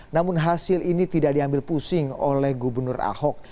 namun hasil ini tidak diambil pusing oleh gubernur ahok